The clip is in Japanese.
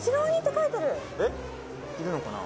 えっ？いるのかな？